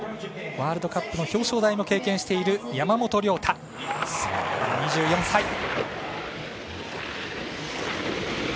ワールドカップの表彰台も経験している山本涼太、２４歳。